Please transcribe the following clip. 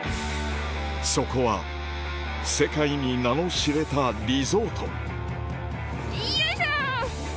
そこは世界に名の知れたリゾートよいしょ！